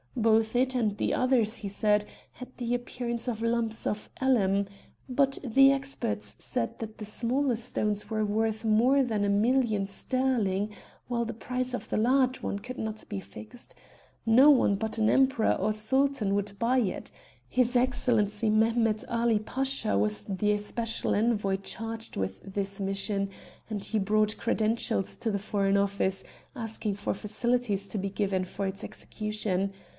Both it and the others, he said, had the appearance of lumps of alum; but the experts said that the smaller stones were worth more than a million sterling, whilst the price of the large one could not be fixed. No one but an Emperor or Sultan would buy it. His Excellency Mehemet Ali Pasha was the especial envoy charged with this mission, and he brought credentials to the Foreign Office asking for facilities to be given for its execution.